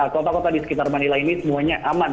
kota kota di sekitar manila ini semuanya aman